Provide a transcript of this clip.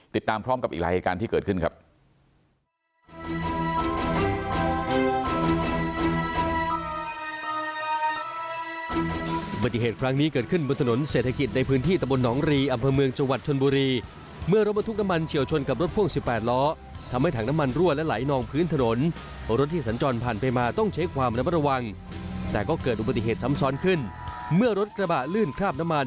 ติดตามพร้อมกับอีกหลายเหตุการณ์ที่เกิดขึ้นครับ